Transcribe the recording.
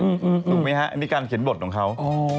ถูกไหมฮะอันนี้การเขียนบทของเขา